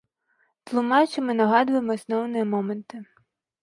Тлумачым і нагадваем асноўныя моманты.